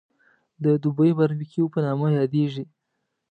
د دوبۍ باربکیو په نامه یادېږي.